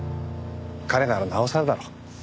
彼ならなおさらだろう。